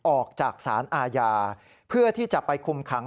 ออกจากสารอาญาเพื่อที่จะไปคุมขัง